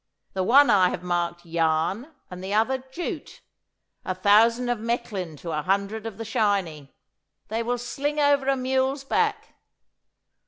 The one I have marked "yarn" and the other "jute" a thousand of Mechlin to a hundred of the shiny. They will sling over a mule's back.